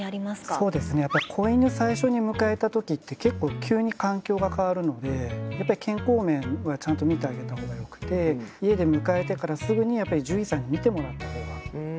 そうですね子犬最初に迎えた時って結構急に環境が変わるのでやっぱり健康面はちゃんと見てあげた方がよくて家で迎えてからすぐに獣医さんに診てもらった方がいいですね。